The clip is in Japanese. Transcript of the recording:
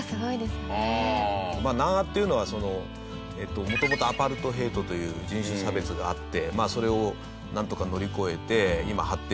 南アっていうのはその元々アパルトヘイトという人種差別があってまあそれをなんとか乗り越えて今発展中の国で。